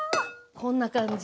こんな感じ。